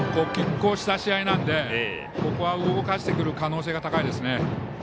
きっ抗した試合なのでここは動かしてくる可能性が高いです。